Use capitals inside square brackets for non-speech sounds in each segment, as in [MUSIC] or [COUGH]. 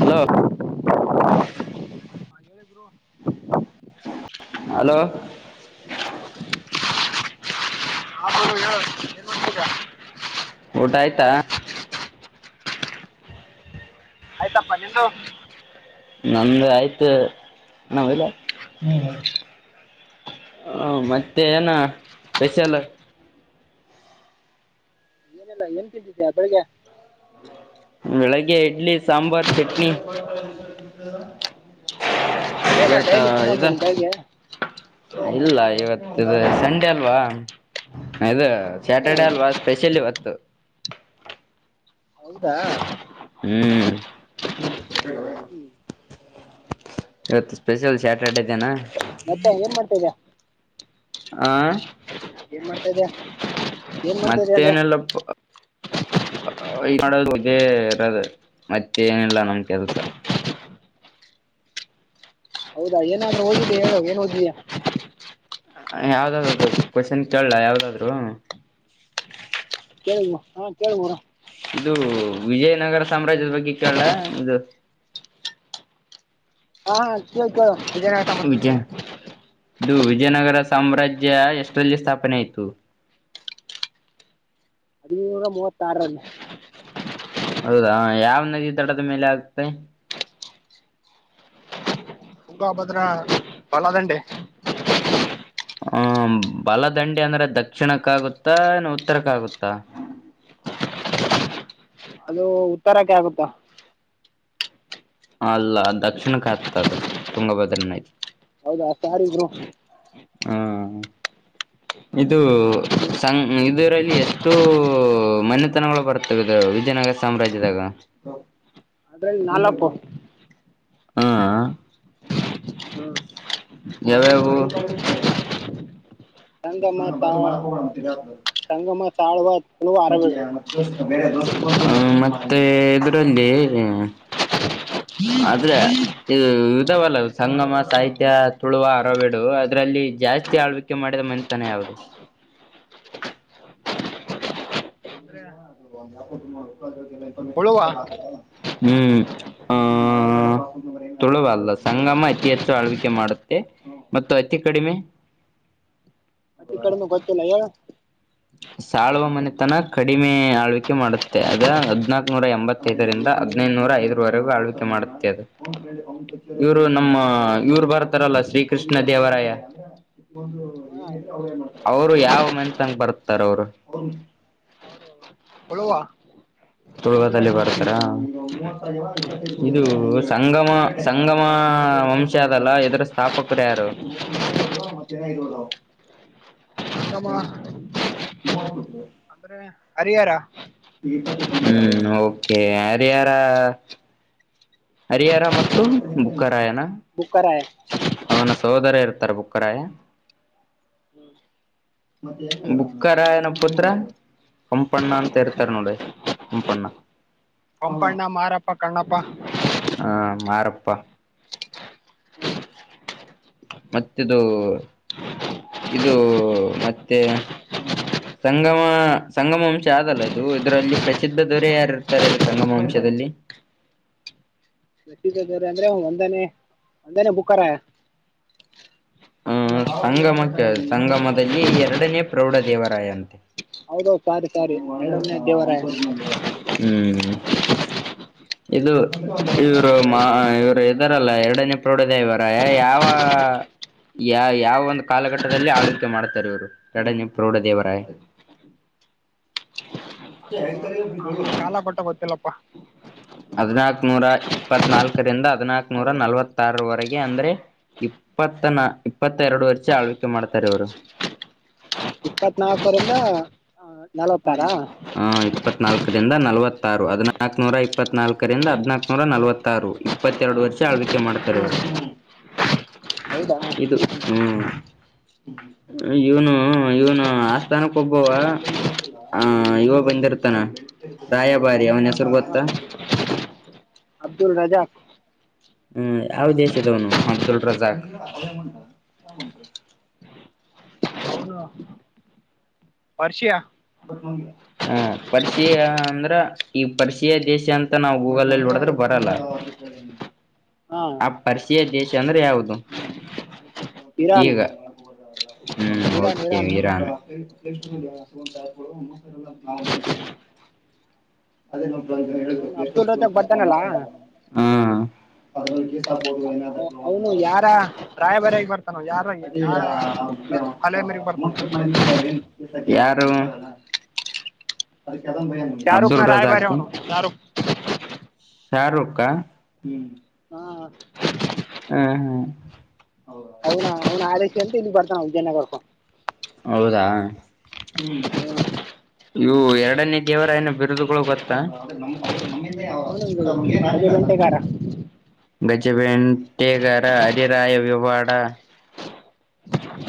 Hello [UNINTELLIGIBLE] hello ಹಬ ಹೇಳ ಏನ್ ಮಾಡತೀರ [INAUDIBLE] ಊಟ ಆಯ್ತಾ ಆಯ್ತಪ್ಪ ನಿಂದು ನಮ್ದ್ ಆಯ್ತು ನಾವಲ್ಲ [UNINTELLIGIBLE] ಮತ್ತೆ ಏನ ಸ್ಪೆಷಲ್ ಏನಲ್ಲಾ ಏನ್ ತಿಂತಿದ್ದ್ಯಾ [UNINTELLIGIBLE] ಬೆಳಗೆ ಬೆಳಗ್ಗೆ ಇಡ್ಲಿ ಸಾಂಬಾರ್ ಚಟ್ನಿ ಅದೇ ನಾ ಇವತ್ತ ಡೈಲಿ ಇದು [UNINTELLIGIBLE] ಇಲ್ಲ ಇವತ್ತು ಇದು ಸಂಡೆ ಅಲ್ವಾ ಇದು ಹ್ಮ್ ಸ್ಯಾಟರ್ಡೆ ಅಲ್ವಾ ಸ್ಪೆಷಲ್ ಇವತ್ [UNINTELLIGIBLE] ಹೌದಾ ಹ್ಮ್ ಹ್ಮ್. ಇವತ್ತು ಸ್ಪೆಷಲ್ ಸ್ಯಾಟರ್ಡೇ ದನಾ ಮತ್ತೆ ಏನ್ ಮಾಡ್ತಾಿದ್ಯಾ ಆ ಏನ್ ಮಾಡ್ತಾ ಇದ ಇದ್ಯಾ ಅದೇ ಮತ್ತೇನಲ್ಲ ಮಾಡ ಇರದು ಮತ್ತೆ ಏನಿಲ್ಲ ನಮ ಕೆಲ್ಸ ಹೌದಾ ಏನು ಓದಿದ ಹೇಳ ಏನ್ ಓದ್ಯಾಾ ಯಾವ್ದಾದ್ದು ಕ್ವಶನ್ ಕೇಳಲ್ಲ ಯಾವ್ದಾದ್ರು ಕೇಳ್ರ ಇದು ವಿಜಯನಗರ ಸಾಮ್ರಾಜ್ಯದ ಬಗ್ಗೆ ಕೇಳ ಇದು ಹಾ ಹ ಕೇಳಳ್ತೇಳ ಇದನ ವಿಜಯ ತಗಂದ್ಬಿಟ್ಟೆ ಇದು ವಿಜಯನಗರ ಸಾಮ್ರಾಜ್ಯ ಎಷ್ಟರಲ್ಲಿ ಸ್ಥಾಪನೆ ಆಯತು ಹದಿನೂರ ಮೂವತ್ತಾರಲ್ಲಿ ಹೌದಾ ಯಾವ ನದಿ ತಡದ ಮೇಲೆ ಆಗ್ತೆೆ ಹುಗ ಭದ್ರ ಬಲದಂಡೆ ಹ್ಮ ಬಲದಂಡಿ ಅಂದ್ರೆ ದಕ್ಷಿಣಕ್ಕಾಗುತ್ತಾ ಏನ ಉತ್ತರಕ್ಕಾಗುತ್ತ ಅದು ಉತ್ತರಕ್ಕೆ ಆಗುತ್ತಾ ಅಲ್ಲ ದಕ್ಷಿಣಕ್ಕೆತದು ತುಂಗಭದ್ರನೈತಿ ಹೌದಾ ಸಾರಿದ್ರು ಹ್ಮ್ ಇದು ಸಂ ಇದರಲ್ಲಿ ಎಷ್ಟು ಮನೆತನಗಳು ಬರ್ತವೆ ಇದು ವಿಜಯನಗರ ಸಾಮ್ರಾಜ್ಯದಾಗ ಆದದ್ರ ನಾಲ್ಕು ಹಾ ಹ್ಮ್ ಯಾವ್ಯಾಾವು ಸಂಗಮ ತಳ ಸಂಗಮ ತಾಳವ ಮತ್ತ ಬೇ ದ ಮತ್ತ ಇದುರಂದೇ ಆದ್ರೆ ಇದು ಲ್ಲ ಸಂಗಮ ಸಾಹಿತ್ಯ ತುಳುವ ಅರಬೇಡು ಅದ್ರಲ್ಲಿ ಜಾಸ್ತಿ ಆಳ್ವಿಕೆ ಮಾಡಿದ ಮನೆತನ ಯಾದು ಅಂದ್ರೆ ಗ ಅದುಂದು ಹುಳುವ ಲಲ್ಲ ಹ್ಮ್ ಆಹ ತುಳುವಲ್ಲ ಸಂಗಮ ಅತಿ ಹೆಚ್ಚು ಆಳ್ವಿಕೆ ಮಾಡುತ್ತೆ ಮತ್ತು ಅತಿ ಕಡಿಮೆ ಮತ್ತಿ ಕಡೆಮ ಗೊತ್ತಿಲ್ಲ ಯ ಸಾಳ್ವ ಮನೆ ತನ ಕಡಿಮೆ ಆಳ್ವಿಕೆ ಮಾಡುತ್ತೆ ಅದ ಹದ್ನಾಕನೂರ ಎಂಬತ್ತೈದರಿಂದ ಹದ್ಿನೈದುನೂರ ಐದರವರೆಗೂ ಆಳ್ವಿಕೆ ಮಾಡುತ್ತೆ ಅದು ಇವರು ನಮ್ಮ ಇವ್ರು ಬರ್ತಾರಲ್ಲ ಶ್ರೀ ಕೃಷ್ಣ ದೇವರಾಯ ಹಾ ಅವರು ಯಾವ ಮತ್ಂಗ ಬರ್. ತರರು. ಉಳುವ ತುಳಗಾದದಲ್ಲಿ ಬರ್ತಾರ ಇದು ಸಂಗಮ ಸಂಗಮ ವಂಶ ಅದಲ್ಲ ಎ್ರ ಸ್ಥಾಪಕರು ಯಾರು. ಹಮ್ಮ. ಉಮತ್ ಕೊಟ್ಟ. ಹರಿಹರ. ಹ್ಮ್ ಓಕೆ ಹರಿಹರ. ಹರಿಹರ ಮತ್ತು ಬುಕ್ಕರಾಯನ. ಬುಕ್ಕರಾಯ ಅವನ ಸಹೋದರ ಇರ್ತ. ಬುಕ್ಕರಾಯ ಬುಕ್ಕರಾಯನ ಪತ್ರ ಕಂಪಣ್ಣ ಅಂತ ಇರ್ತಾರ ನೋಡಿ ಕಂಪಣ್ಣ. ಕೊಂಪಣ್ಣ ಮಾರಪ್ಪ ಕಣ್ಣಪ್ಪ. ಹಾ ಮಾರಪ್ಪ. ಮತ್ತದು ಇದು ಮತ್ತೆ ಸಂಗಮ ಸಂಗಮ ವಂಶ ಆದಲ್ಲ ಇದು ಇದರಲ್ಲಿ ಪ್ರಸಿದ್ಧ ದೊರೆ ಯಾರ ಇರ್ತಾರೆ ಇದು ಸಂಗಮ ವಂಶದಲ್ಲಿ. ್ರ ಅಂದ್ರೆ ಒಂದನೇ ಒಂದನೇ ಬುಕ್ಕಾರಾಯ. ಹಹ ಸಂಗಮಕ್ಕೆ ಸಂಗಮದಲ್ಲಿ ಎರಡನೇ ಪ್ರೌಢ ದೇವರಾಯ ಅಂತೆ. ಹೌದೌದು ಸಾರಿ ಸಾರಿ ಬ್ ಎರಡನೇ ದೇವರಾಯ ಒ ಮ ಹ. ಇದು ಇವರು ಮಾ ಇವ್ರು ಇದಾರಲ್ಲ ಎರಡನೇ ಪ್ರೌಢದ ಇವರ ಯಾವ. ಯಾ ಯಾವ ಒಂದು ಕಾಲಘಟ್ಟದಲ್ಲಿ ಆಳ್ವಿಕೆ ಮಾಡ್ತಾರೆ ಇವ್ರು ಎರಡನೇ ಪ್ರೌಢ ದೇವರ. ಅಷ್ಟೇ ಹ. ಕಾಲ ಕೊಟ್ಟ ಗೊತ್ತಿಲ್ಲಪ್ಪ ಹದಿನಾಕನೂರ. ಇಪ್ಪತ್ನಾಾಲ್ಕರಿಂದ ಹದಿನಾಕ ನೂರ ನಲವತ್ತಾರವರೆಗೆ ಅಂದ್ರೆ ಇಪ್ಪತ್ತ ನ ಇಪ್ಪತ್ತೆರಡು ವರ್ಷ ಆಳ್ವಿಕೆ ಮಾಡ್ತಾರೆ ಇವರು. ಇಪ್ಪತ್ತ್ನಾಾಲ್ಕರಿಂದ. ಹ ಇಪ್ಪತ್ನಾಲ್ಕರಿಂದ ನಲ್ವತ್. ಆರು ಹದಿನಾಕ ನೂರ ಇಪ್ಪತ್ ನಾಲ್ಕರಿಂದ ಹದಿನಾಕ ನೂರ ನಲವತ್ತಾರು ಇಪ್ಪತ್ತೆರಡು ವರ್ಷ ಆಳ್ವಿಕ. ೆ ಮಾಡ್ತಾರೆ ಹ್ಮ್ ಅವರು. ಹೌದಾ ಇದು ಹ್ಮ್. ಇವನು ಇವನು ಆಸ್ಥಾನಕ್ ಒಬ್ಬವ. ಹಾ ಇವ ಬಂದಿರ್ತಾನ ರಾಯಭಾರಿ ಅವನ ಹೆಸರು ಗೊತ್ತ. ಅಬ್ದಲ್ ರಜಾಕ್. ಹ್ಮ್ ಯಾವ ದೇಶ ಅದಾವನು ಅಬ್ದುಲ್ ರಜಾಕ್. ಹ ವರ್ಷಯಾ.. ಹ ಪರ್ಷಿಯಾ ಅಂದ್ರ ಈ ಪರ್ಷಿಯಾ ದೇಶ ಅಂತ ನಾವವು ಗೂಗಲ್ಲ್ಲಿ ನೋಡದ್ರೆ ಬರಲ್ಲ ಹಾ ಆ ಪರ್ಸಿಯಾ ದೇಶ ಅಂದ್ರೆ ಯಾವವುದು. ಇರಾನ್ ಈಗ ಹ್ಮ್ ಇರಾನ್ ಕೆ ಇರಾನ್ ವಿರಾನ್. [UNINTELLIGIBLE] [UNINTELLIGIBLE] [UNINTELLIGIBLE] ಅವನು ಅಬ್ದುಲ್ ರಜಾಕ್ ಬರ್ತಾನಲ್ಲ ಹ. [UNINTELLIGIBLE] ಅವನು ಯಾರ ರಾಯಭರ ಬರ್ತ [UNINTELLIGIBLE] ಅಲೆ ಮೇರೆಗೆ ಬರ್ತಾನ ಯಾರು. ಅಬ್ದುಲ್ ಶಾರೂಖನ ರಾಯಬಾರಿ ರಜಾಕ್ ಅವ್ನು ಶಾರೂಕ್. ಶಾರುಕ್ಕಾ ಹ್. ಹಾ. ಹ್ಮ್ ಹ್ಮ್. ಅವ್ನ ಅವ್ನ ಆದೇಶ ಅಂತ ಇಲ್ಲಿ ಬರ್ತಾನ ವಿಜಯ ನಗರಕ್ ಹೌದಾ. ಹ್ಮ. ಇವು ಎರಡನೇ ದೇವರಾಯನ ಬಿರುದುಗಳು ಗೊತ್ತಾ. ಅವನು ಅಜೆ ಬೆಂಟೆಗಾರ [UNINTELLIGIBLE] ಚೆವೆಂಟೆಗಾರ ಹರಿರಾಯ ವಿವಾಡ.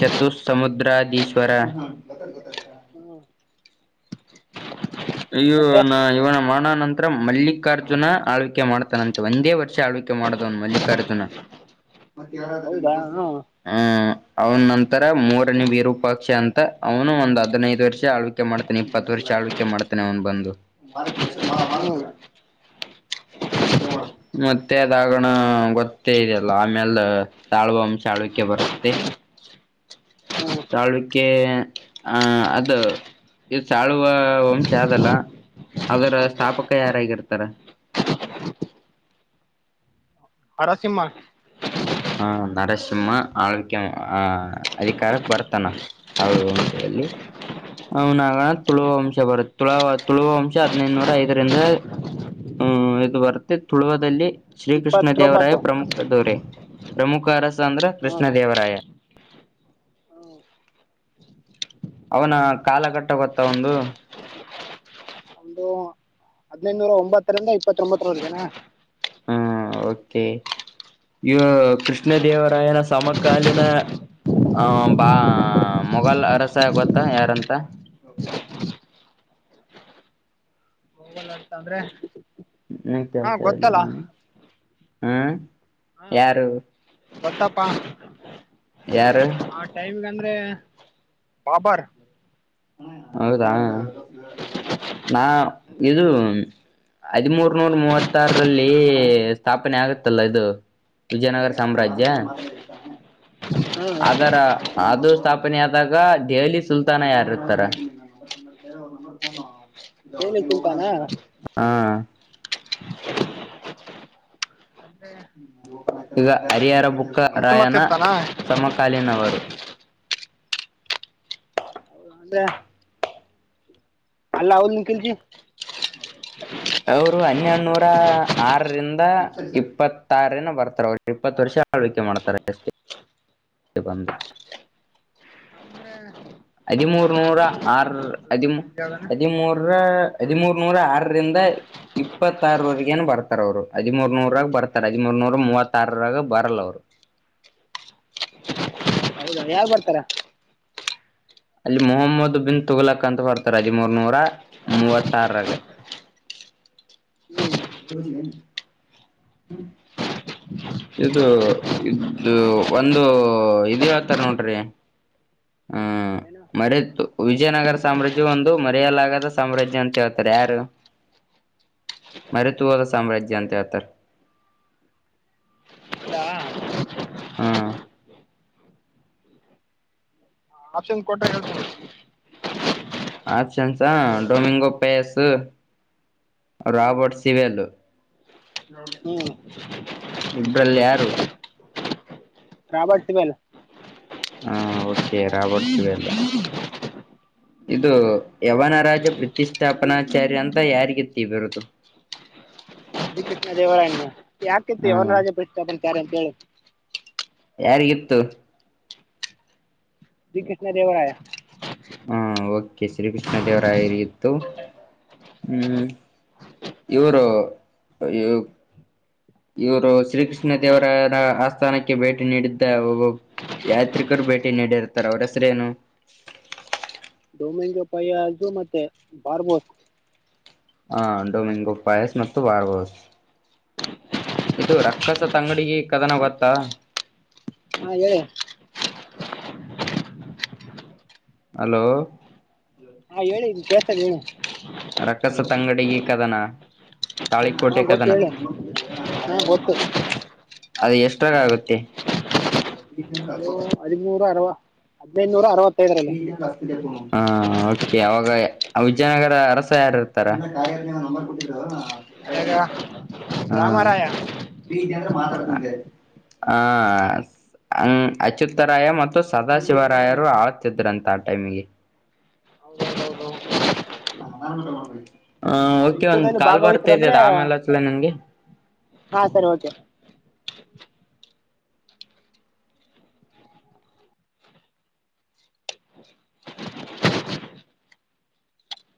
ಚತುರ್ ಸಮುದ್ರಾದೀಸ್ವರ ಹ್ಮ್ ಅಯ್ಯೋ ಮತ್ತೆ ಇವನ ಇವನ ಮರಣ ನಂತ್ ಮಲ್ಲಿಕಾರ್ಜುನ ಆಳ್ವಿಕೆ ಮಾಡ್ತಾನಂತೆ ಒಂದೇ ವರ್ಷ ಆಳ್ವಿಕೆ ಮಾಡದವನು ಮಲ್ಲಿಕಾರ್ಜುನ. ಹೌದಾ ಹ್ಮ್ ಹ ಅವನ ನಂತರ ಮೂರನೇ ವೀರು ಪಕ್ಷ ಅಂತ ಅವ್ನು ಒಂದ್ ಹದಿನೈದು ವರ್ಷ ಆಳ್ವಿಕೆ ಮಾಡ್ತಾನೆ ಇಪ್ಪತ್ ವರ್ಷ ಆಳ್ವಕೆ ಮಾಡ್ ಅವನು ಬಂದು. ಹ್ಮ್ [UNINTELLIGIBLE] ಮತ್ತೆ ಅದಾಗಣ ಗೊತ್ತೇ ಇದೆಯಲ್ಲ ಆಮ್ಯಾಲ ಸಾಳ್ವ ವಂಶ ಆಳ್ವಿಕೆ ಬರತ್ತೆ. ಹ್ಮ್ ಸಳ್ವಿಕೆ ಆಹ ಅದ ಇದ ಸಾಳ್ವ ವಂಶ ಅದಲ್ಲ ಅದರ ಸ್ಥಾಪಕ ಯಾರಾಗಿರ್ತಾರ. ನರಸಿಂಹ. ಹ ನರಸಿಂಹ ಆಳ್ವಿಕೆ ಆ ಅಧಿಕಾರಕ್ ಬರ್ತಾನ ಸಳ್ವ ವಂಶದಲ್ಲಿ ಅವನಣ ತುಳು ವಂಶ ಬರು ತುಳ ತುಳುವ ವಂಶ ಹದ್ನೈದುನೂರ ಐದರಿಂದ ಹ್ಮ್ ಇದು ಬರುತ್ತೆ ತುಳುವದಲ್ಲಿ. ಶ್ರೀ ಕೃಷ್ಣ ದೇವರಾಯ ಇಪ್ಪತ್ತೊಂಬತ್ತು ಪ್ರಮುಖ ದೂರೆ. ಪ್ರಮುಖ ಅರಸಾಂದ್ರ ಹ್ಮ್ ಕೃಷ್ಣದೇವರಾಯ. ಅವನ ಕಾಲಘಟ್ಟ ಗೊತ್ತ ಒಂದು. ಒಂದು ಹದಿನೈದುನೂರ ಒಂಬತ್ತರಿಂದ ಇಪ್ಪತ್ತೊಂಬತ್ತರವರೆಗೆನಾ. ಹ್ಮ್ ಓಕೆ ಇ ಕೃಷ್ಣ ದೇವರಾಯನ ಸಮಕಾಲೀನ ಅ ಬಾ ಮೊಘಲ್ ಅರಸ ಗೊತ್ತಾ ಯಾರಂತ. ಮೊಘಲ್ ಅರಸ ಅಂದ್ರೆ ಹಾ ಗೊತ್ತಲ್ಲ [UNINTELLIGIBLE] ಹ್ಮ ಯಾರು. ಹೊತ್ತಪ್ಪ ಯಾರ ಅಂದ್ರೆ ಬಾಬಾರ್ ಹೌದಾ ನಾ ಇದು ಹದಿಮೂರ್ನೂರ ಮೂವತ್ತಾರ ರಲ್ಲಿ ಸ್ಥಾಪನೆ ಆಗುತ್ತಲ್ಲ ಇದು ವಿಜಯನಗರ ಸಾಮ್ರಾಜ್ಯ ಯ ಹ್ಮ್ ಅದರ ಅದು ಸ್ಥಾ ಸ್ಥಾಪನೆ ಆದಾಗ ದೆಹಲಿ ಸುಲ್ತಾನ ಯಾರದ ಅದಾರ [UNINTELLIGIBLE] ದೆಹಲಿ ಸುಲ್ತಾನ [UNINTELLIGIBLE] ಹ [INAUDIBLE] [INAUDIBLE] ಈಗ ಅರಿಹರ ಇಲ್ತುಮಸ್ ಪುಕ್ಕರಾಯನ ಇರ್ತಾನ ಸಮಕಾಲೀನವರು. ಅಂದ್ರೆ ಅಲ್ಲಾವುದ್ದೀನ್ ಖಿಲ್ಜಿ. ಅವರು ಹನ್ನೆಡುನೂರ ಆರರಿಂದ ಇಪ್ಪತ್ತಾರನ ಬರ್ತಾರ ಅವರು ಇಪ್ಪತ್ತು ವರ್ಷ ಆಳ್ವಿಕೆ ಮಾಡ್ತಾರಷ್ಟ ಬಂದು ಹದಿಮೂರ್ನೂರ ಆರ್. ಹದಿ ಹದಿಮೂರರ ಹದಿಮೂರ ನೂರ ಆರರಿಂದ ಇಪ್ಪತ್ತಾರವರೆಗೇನ ಬರ್ತಾರ ಅವ್ರು ಹದಿಮೂರ್ನೂರಾಗ ಬರ್ತಾರ ಹದಿಮೂರ್ನೂರ ಮೂವತ್ತಾರರಾಗ ಬರಲ್ಲ ಅವ್ರು. ಹೌದಾ ಯಾವಾಗ ಬರ್ತಾರ? ಅಲ್ಲಿ ಮೊಹಮ್ಮದ್ ಬಿನ್ ತುಗಲಕ್ ಅಂತ ಬರ್ತಾರೆ ಹದಿಮೂರ್ನೂರ ಮೂವತ್ತಾರಾಗ. ಹ್ಮ್ [INAUDIBLE] ಏನ್ ಹ್ಮ ಇದು ಇ ಒಂದು ಇದು ಹೇಳ್ತಾರ ನೋಡ್ರಿ ಆಹ ಏನು ಮರೆತ ವಿಜಯನಗರ ಸಾಮ್ರಾಜ್ಯ ಒಂದು ಮರೆಯಲಾಗದ ಸಾಮ್ರಾಜ್ಯ ಅಂತ ಹೇಳ್ತಾರ ಯಾರು ಮರೆತು ಹೋದ ಸಾಮ್ರಾಜ್ಯ ಅಂತ ಹೇಳ್ತಾರ. ಇಲ್ಲ ಹ್ಮ ಆಪ್ಷನ್ ಕೊಟ್ಟ ಹೇಳ್ತೀ. ಆಪ್ಷನ್ಸ ಡೊಮಿಂಗೋ ಪೇಸ್ ಹ್ಮ್ ರಾಬರ್ಟ್ ಸಿವೆಲ್ ಇವೆಡ್ಡು ಹ್ಮ್ ಇಬ್ರಲ್ಲಿ ಯಾರು? Robert Sewell. ಕೇರ ಪಡಚಿವಲ್ಲ. ಇದು ಯವನರಾಜ ಪ್ರತಿಷ್ಠಾಪನಾಚಾರ್ಯ ಅಂತ ಯಾರಿಗಿತ್ತ ಇ ಬಿರುದು? ಶ್ರೀ ಕೃಷ್ಣದೇವರಾಯ. ಯಾಕಿತ್ತು ಹ್ಮ ಯವನ ರಾಜೆ ಪ್ರಸ್ತಾಪನೆ. ಕಾರೆಂತ ಹೇಳ. ಯಾರಿಗಿತ್ತು? ಶ್ರೀ ಕೃಷ್ಣ ದೇವರಾಯ. ಹಾ ಓ. ಕೆ ಶ್ರೀ ಕೃಷ್ಣ ದೇವರಾಯರಿಗ್ ಇತ್ತು ಹ್ಮ್ ಇವರು ಇವ ಇವರು ಶ್ರೀ ಕೃಷ್ಣ ದೇವರ ಆಸ್ಥಾನಕ್ಕೆ ಭೇಟಿ ನೀಡಿದ್ದ ಒಬ್ಬ ಯಾತ್ರಿಕರು ಭೇಟಿ ನೀಡಿರ್ತಾರೆ ಅವ್ರ ಹೆಸರೆನು? ರೋಮಂಗ ಪಯಾಜು ಮತ್ತೆ ಬಾರ್ಬೋಸ್. ಹಾ ಡೊಮೆಂಗು ಪಾಯಸ್ ಮತ್ತು ಬಾರ್ಬಸ್ ಇದು ರಕ್ಕಸ ತಂಗಡಿಗೆ ಕದನ ಗೊತ್ತಾ? ಹಾ ಹೇಳಿ. ಹಲೋ ಹಾ ಹೇಳಿ ಕೇಳ್. [UNINTELLIGIBLE] ರಕ್ಕಸ ತಂಗಡಿಗೆ ಕದನ. ತಾಳಿ ಹಾ ಕೋಟೆ ಗೊತ್ತು ಕದನ. ಹೇಳಿ ಹಾ ಗೊತ್ತು ಅದು ಎಷ್ಟರಾಗ್ ಆಗುತ್ತೆ? ಅದು ಹದಿಮೂರ ಅರವಾ. ಹದಿನೈದುನೂರ ಅರವ ಹಾ ಓಕೆ ಅವಾಗ ಆ ವಿಜಯನಗರ ಅರಸ ಯಾರು ಇರ್ತಾರ ಮಾತಾಡಂತ ಅದಾಗ ಹ ರಾಮರಾಯ ಪ್ರೀತಿ ಅಂದ್ರೆ ಮಾತಾಡ ನಂಗೆ ಆ ಅಚುುತ್ತರಾಯ ಮತ್ತು ಸದಾಶಿವರಾಯರು ಆ ಂತ ಆ ಟೈಮಿಗೆ ಹಾ ನಾನನ್ಊಟ ಮಾಡಬೇಕು ಹ ಓಕೆ ಒಂದ್ ಯುದ್ಧದಲ್ಲಿ ಕಾಲ್ ಭಾಗವಹಿಸ್ರ ಬರ್ತಾತ ಅದ ಅಂದ್ರೆ ಆಮೇಲೆತ್ತಲ ನನ್ಗೆ ಹಾಂ ಸರಿ ಓಕೆ